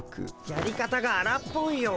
やり方があらっぽいよ。